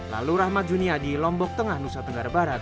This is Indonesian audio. lalu rahmat junia di lombok tengah nusa tenggara barat